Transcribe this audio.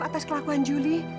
atas kelakuan juli